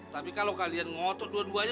tapi kalau kalian ngotot dua duanya